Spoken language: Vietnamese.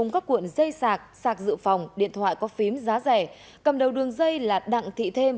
các cuộn dây sạc sạc dự phòng điện thoại có phím giá rẻ cầm đầu đường dây là đặng thị thêm